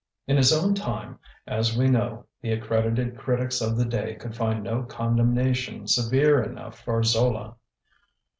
In his own time, as we know, the accredited critics of the day could find no condemnation severe enough for Zola.